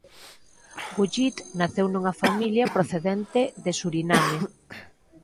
Gullit naceu nunha familia procedente de Suriname.